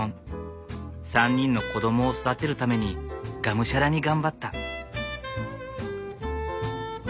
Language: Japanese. ３人の子供を育てるためにがむしゃらに頑張った。